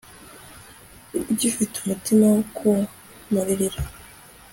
ugifite umutima wo kumuririra